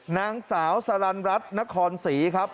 นางสาวสลันรัฐนครศรีครับ